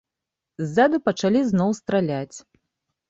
Ззаду пачалі зноў страляць.